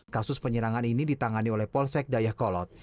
kasus penyerangan ini ditangani oleh polsek dayakolot